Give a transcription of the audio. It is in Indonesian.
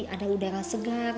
ada udara segar